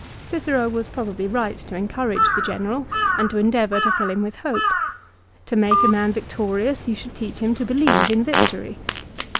Cicero was probably right to encourage the general, and to endeavour to fill him with hope. To make a man victorious you should teach him to believe in victory.